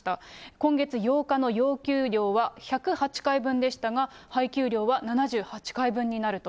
今月８日の要求量は１０８回分でしたが、配給量は７８回分になると。